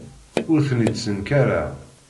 Ur ten-id-ssenkareɣ.